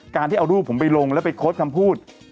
ที่เอารูปผมไปลงแล้วไปโค้ดคำพูด